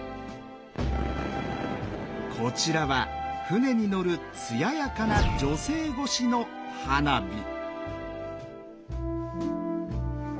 こちらは船に乗る艶やかな女性越しの花火。